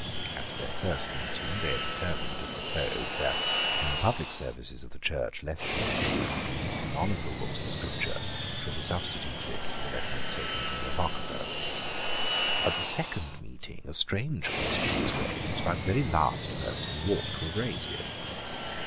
At their first meeting they determined to propose that, in the public services of the Church, lessons taken from the canonical books of Scripture should be substituted for the lessons taken from the Apocrypha, At the second meeting a strange question was raised by the very last person who ought to have raised it.